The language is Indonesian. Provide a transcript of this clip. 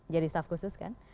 jadi staff khusus kan